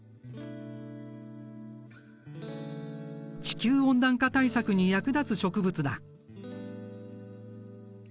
地球温暖化対策に役立つ植物だ。